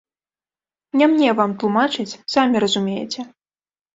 Не мне вам тлумачыць, самі разумееце.